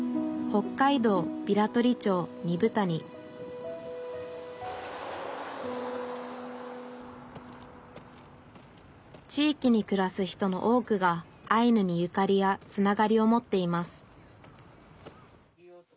北海道平取町二風谷地域にくらす人の多くがアイヌにゆかりやつながりを持っています